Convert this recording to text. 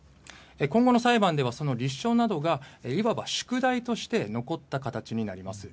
今後の裁判ではその立証などがいわば宿題として残った形になります。